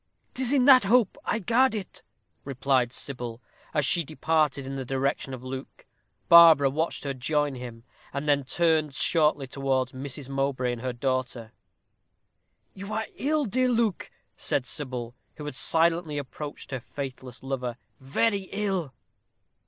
"'Tis in that hope I guard it," replied Sybil, as she departed in the direction of Luke. Barbara watched her join him, and then turned shortly towards Mrs. Mowbray and her daughter. "You are ill, dear Luke," said Sybil, who had silently approached her faithless lover; "very ill."